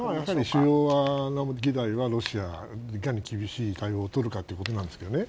主要な議題はロシアにいかに厳しい対応をとるかということなんですけどね。